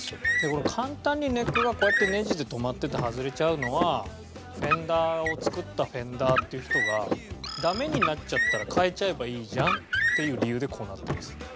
これ簡単にネックがこうやってネジで留まってて外れちゃうのはフェンダーを作ったフェンダーっていう人がダメになっちゃったら変えちゃえばいいじゃんっていう理由でこうなってます。